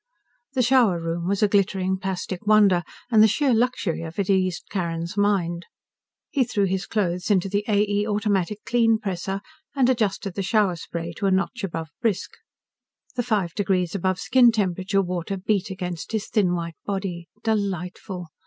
The shower room was a glittering plastic wonder, and the sheer luxury of it eased Carrin's mind. He threw his clothes into the A. E. automatic Kleen presser, and adjusted the shower spray to a notch above "brisk." The five degrees above skin temperature water beat against his thin white body. Delightful!